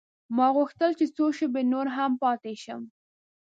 ما غوښتل چې څو شپې نور هم پاته شم.